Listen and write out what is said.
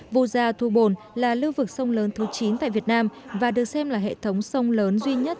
vu gia thu bồn là lưu vực sông lớn thứ chín tại việt nam và được xem là hệ thống sông lớn duy nhất